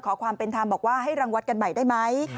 ขอความเป็นธรรมบอกว่าให้รังวัดกันใหม่ได้ไหม